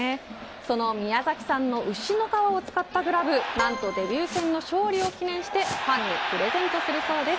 その宮崎産の牛の革を使ったグラブ何とデビュー戦の勝利を記念してファンにプレゼントするそうです。